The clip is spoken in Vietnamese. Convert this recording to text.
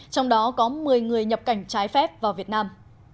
trong đó có một mươi người nhập cảnh trái phép vào việt nam